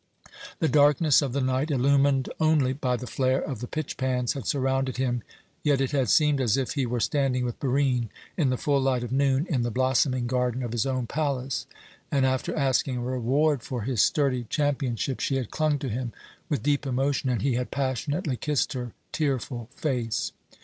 The darkness of the night, illumined only by the flare of the pitch pans, had surrounded him, yet it had seemed as if he were standing with Barine in the full light of noon in the blossoming garden of his own palace, and, after asking a reward for his sturdy championship, she had clung to him with deep emotion, and he had passionately kissed her tearful face.